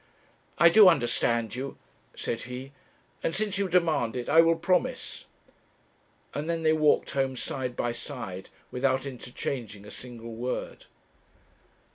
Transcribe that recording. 'I do understand you,' said he, 'and since you demand it, I will promise;' and then they walked home side by side, without interchanging a single word.